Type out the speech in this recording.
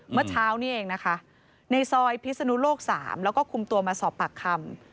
เมื่อเช้านี้เองนะคะในซอยพิศนุโลก๓แล้วก็คุมตัวมาสอบปากคำ